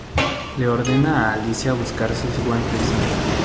Le ordena a Alicia buscar sus guantes.